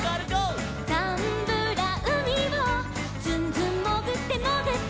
「ザンブラうみをずんずんもぐってもぐって」